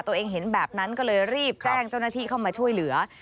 ตัวเองเห็นแบบนั้นก็เลยรีบแจ้งเจ้าหน้าที่เข้ามาช่วยเหลือ